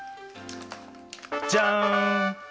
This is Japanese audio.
じゃん！